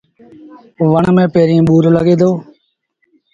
وڻ ميݩ پيريݩ ٻور لڳي دو۔